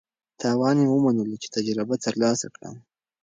تاوان مې ومنلو چې تجربه ترلاسه کړم.